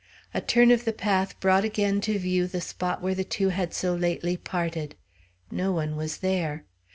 A turn of the path brought again to view the spot where the two had so lately parted. No one was there.